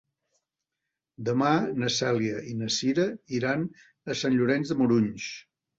Demà na Cèlia i na Cira iran a Sant Llorenç de Morunys.